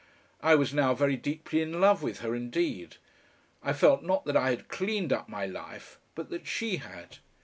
I was now very deeply in love with her indeed. I felt not that I had cleaned up my life but that she had.